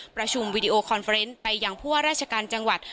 ประชุมวิดีโอคอนเฟอร์เตอร์เอ็นต์ไปอย่างพวกราชการจังหวัด